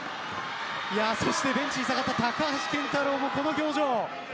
そしてベンチに下がった高橋健太郎も、この表情。